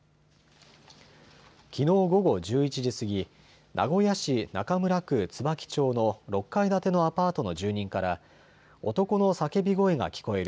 きのう午後１１時過ぎ、名古屋市中村区椿町の６階建てのアパートの住人から男の叫び声が聞こえる。